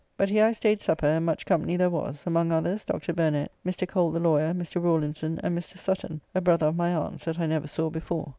But here I staid supper, and much company there was; among others, Dr. Burnett, Mr. Cole the lawyer, Mr. Rawlinson, and Mr. Sutton, a brother of my aunt's, that I never saw before.